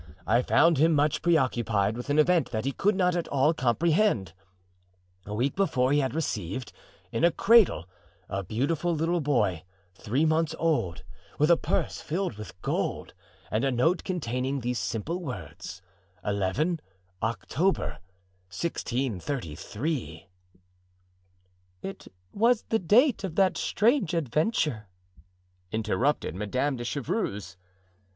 I found him much preoccupied with an event that he could not at all comprehend. A week before he had received, in a cradle, a beautiful little boy three months old, with a purse filled with gold and a note containing these simple words: '11 October, 1633.'" "It was the date of that strange adventure," interrupted Madame de Chevreuse.